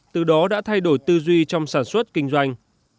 từ đó đã thay đổi tư duy trong sản xuất kinh doanh